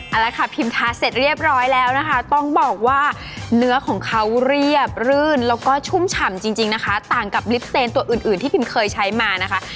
เอาละค่ะพิมทาเสร็จเรียบร้อยแล้วนะคะต้องบอกว่าเนื้อของเขาเรียบรื่นแล้วก็ชุ่มฉ่ำจริงนะคะต่างกับลิปเซนตัวอื่นที่พิมเคยใช้มานะคะ